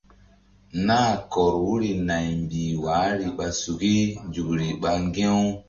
Nah kɔr wuri naymbih wahri ɓa suki nzukri ɓa ŋgi̧.